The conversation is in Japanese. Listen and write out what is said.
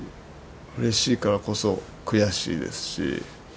うれしいからこそ悔しいですし。